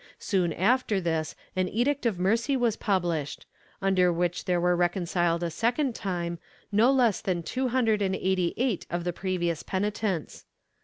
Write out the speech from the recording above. Soon after this an Edict of Mercy was published, under which there were reconciled a second time no less than two hundred and eighty eight of the previous penitents.